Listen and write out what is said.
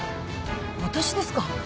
私ですか？